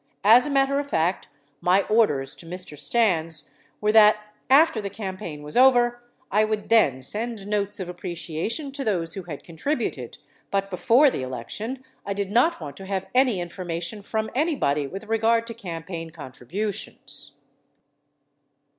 As a matter of fact, my orders to Mr. Stans were that after the campaign was over, I would then send notes of appreciation to those who had contributed, but before the election, I did not want to have any information from anybody with regard to cam paign contributions.